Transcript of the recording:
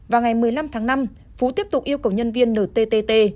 và ngày một mươi năm tháng năm phú tiếp tục yêu cầu nhân viên nttt